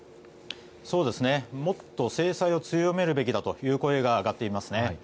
もっと制裁を強めるべきだという声が上がっています。